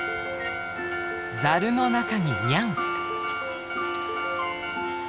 ざるの中にニャン。